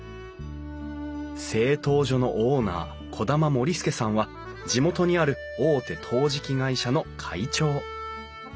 製陶所のオーナー兒玉盛介さんは地元にある大手陶磁器会社の会長。